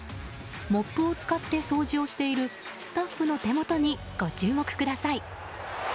モップを使って掃除をしているスタッフの手元にご注目ください。